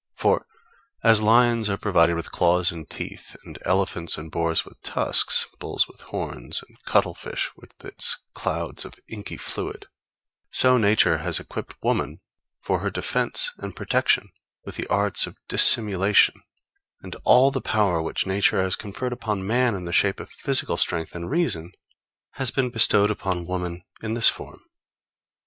For as lions are provided with claws and teeth, and elephants and boars with tusks, bulls with horns, and cuttle fish with its clouds of inky fluid, so Nature has equipped woman, for her defence and protection, with the arts of dissimulation; and all the power which Nature has conferred upon man in the shape of physical strength and reason, has been bestowed upon women in this form.